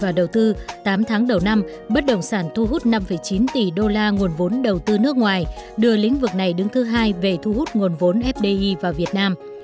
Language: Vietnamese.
và đầu tư tám tháng đầu năm bất động sản thu hút năm chín tỷ đô la nguồn vốn đầu tư nước ngoài đưa lĩnh vực này đứng thứ hai về thu hút nguồn vốn fdi vào việt nam